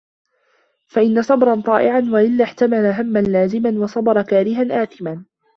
فَإِنْ صَبَرَ طَائِعًا وَإِلَّا احْتَمَلَ هَمَّا لَازِمًا وَصَبَرَ كَارِهًا آثِمًا